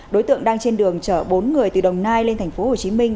đối tượng đang trên đường chở bốn người từ đồng nai lên thành phố hồ chí minh